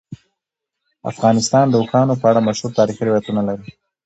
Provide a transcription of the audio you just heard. افغانستان د اوښانو په اړه مشهور تاریخی روایتونه لري.